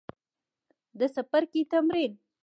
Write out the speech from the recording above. د څپرکي تمرین